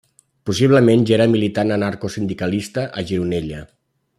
Possiblement ja era militant anarcosindicalista a Gironella.